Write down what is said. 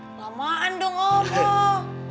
eh lamaan dong om